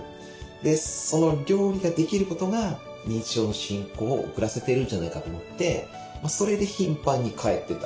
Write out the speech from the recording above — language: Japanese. でその料理ができることが認知症の進行を遅らせてるんじゃないかと思ってそれで頻繁に帰ってた。